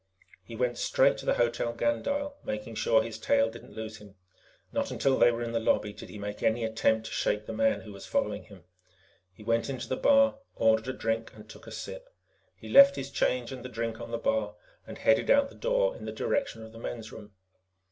He went straight to the Hotel Gandyll, making sure that his tail didn't lose him. Not until they were in the lobby did he make any attempt to shake the man who was following him. He went into the bar, ordered a drink, and took a sip. He left his change and the drink on the bar and headed out the door in the direction of the men's room.